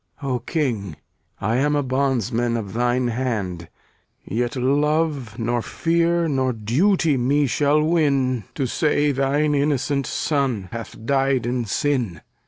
O King, I am a bondsman of thine hand; Yet love nor fear nor duty me shall win To say thine innocent son hath died in sin.